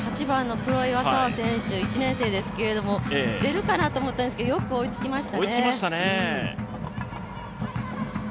８番の黒岩沙羽選手１年生ですけど出るかなと思ったんですけど、よく追いつきましたね。